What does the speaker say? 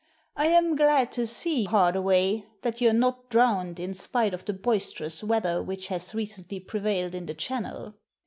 "I am glad to see, Hardaway, that youVe not drowned, in spite of the boisterous weather which has recently prevailed in the Channel.